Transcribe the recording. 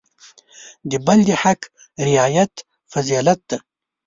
د بل د حق رعایت فضیلت دی.